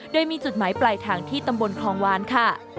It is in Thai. โดยมีจุดหมายปลายทางที่ตำบลคลองวานค่ะ